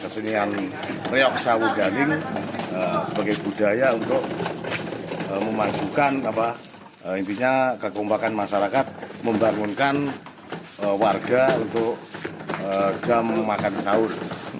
sebagai budaya untuk memajukan kekompakan masyarakat membangunkan warga untuk jam makan sahur